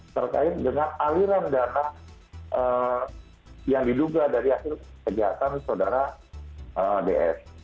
terkait dengan aliran dana yang diduga dari hasil kejahatan saudara ds